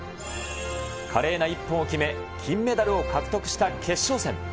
華麗な一本を決め、金メダルを獲得した決勝戦。